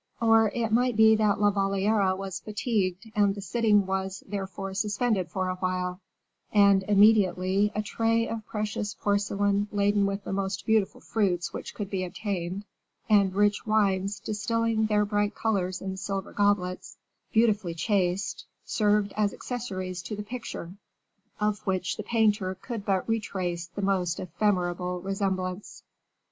Or, it might be that La Valliere was fatigued, and the sitting was, therefore, suspended for awhile; and, immediately, a tray of precious porcelain laden with the most beautiful fruits which could be obtained, and rich wines distilling their bright colors in silver goblets, beautifully chased, served as accessories to the picture of which the painter could but retrace the most ephemeral resemblance.